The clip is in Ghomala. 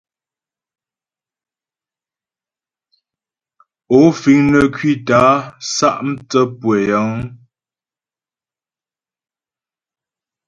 Ó fíŋ nə́ ŋkwítə́ a sá' mtsə́ pʉə́ yəŋ ?